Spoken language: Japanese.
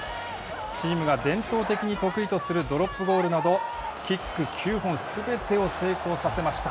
チームが伝統的に得意とするドロップゴールなどキック９本すべてを成功させました。